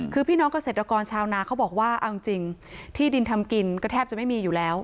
คือพี่น้องเกษตรกรชาวนาเขาบอกว่าเอาจริงที่ดินทำกินก็แทบจะไม่มีอยู่แล้ว